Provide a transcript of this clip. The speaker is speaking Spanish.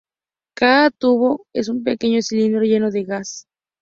Cada tubo es un pequeño cilindro lleno de gas.